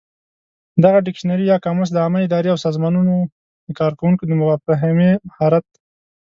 دغه ډکشنري یا قاموس د عامه ادارې او سازمانونو د کارکوونکو د مفاهمې مهارت